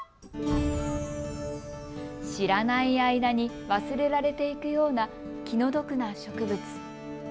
知らない間に忘れられていくような気の毒な植物。